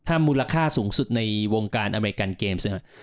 ถ้ามูลค่าสูงสุดในวงการอเมริกันเกมซ์เนี่ย